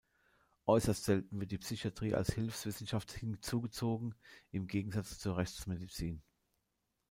Äußerst selten wird die Psychiatrie als Hilfswissenschaft hinzugezogen, im Gegensatz zur Rechtsmedizin.